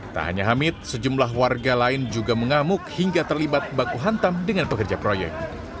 tak hanya hamid sejumlah warga lain juga mengamuk hingga terlibat baku hantam dengan pekerja proyek